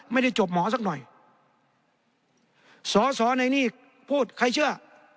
ไม่ได้จบหมอสักหน่อยสอสอในนี่พูดใครเชื่อ